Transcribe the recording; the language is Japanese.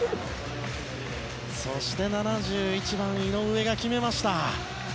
そして７１番、井上が決めました。